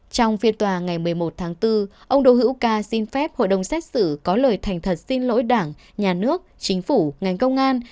trong phiên tòa ngày một mươi một tháng bốn ông đỗ hữu ca xin phép hội đồng xét xử có lời thành thật xin lỗi đảng nhà nước chính phủ ngành công an